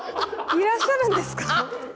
いらっしゃるんですか？